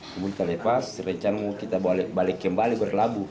kemudi telepas rencana mau kita balik kembali berlabuh